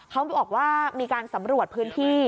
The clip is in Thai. เขาบอกว่ามีการสำรวจพื้นที่